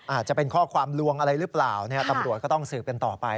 อาจจะเป็นข้อความลวงอะไรหรือเปล่าตำรวจก็ต้องสืบกันต่อไป